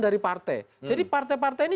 dari partai jadi partai partai ini